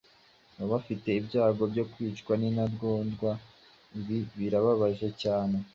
baba bafite ibyago byo kwicwa n'intagondwa. Ibi birababaje cyane".